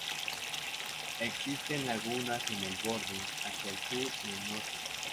Existen lagunas en el borde hacia el sur y el norte.